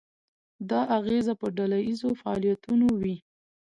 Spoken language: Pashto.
دا اغیزه په ډله ییزو فعالیتونو وي.